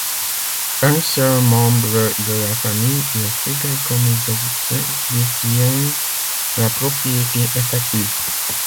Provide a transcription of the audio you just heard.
Un seul membre de la famille, le Fideikommissbesitzer, détient la propriété effective.